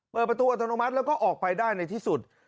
เปิดประตูอัตโนมัติแล้วก็ออกไปได้ในที่สุด